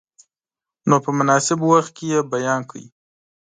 نو په مناسب وخت کې یې بیان کړئ.